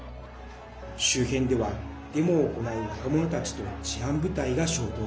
周辺ではデモを行う若者たちと治安部隊が衝突。